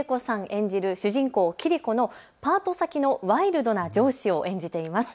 演じる主人公、桐子のパート先のワイルドな上司を演じています。